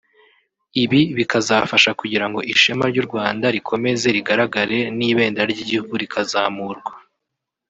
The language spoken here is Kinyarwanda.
Ibi bikazafasha kugira ngo ishema ry’u Rwanda rikomeze rigaragare n’ibendera ry’igihugu rikazamurwa